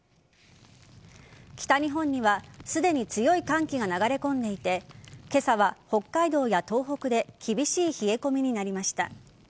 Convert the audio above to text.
北日本にはすでに強い寒気が流れ込んでいて今朝は北海道や東北で厳しい冷え込みになりました。